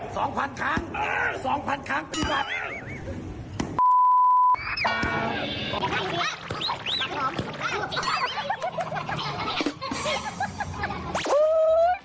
สองพันครั้งสองพันครั้งปฏิบัติ